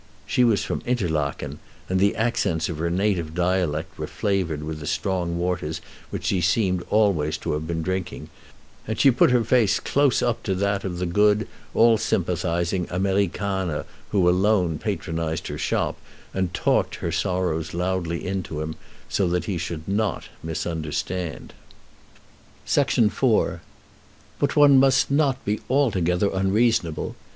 She was from Interlaken, and the accents of her native dialect were flavored with the strong waters which she seemed always to have been drinking, and she put her face close up to that of the good, all sympathizing Amerikaner who alone patronized her shop, and talked her sorrows loudly into him, so that he should not misunderstand. [Illustration: Entrance to Villeneuve] IV But one must not be altogether unreasonable.